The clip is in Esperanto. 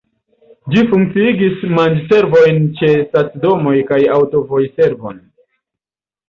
Ĝi funkciigis manĝservojn ĉe stacidomoj kaj aŭtovojservon.